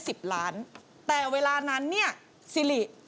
กับพอรู้ดวงชะตาของเขาแล้วนะครับ